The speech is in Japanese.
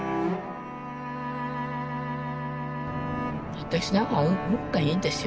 私なんか運がいいんですよ。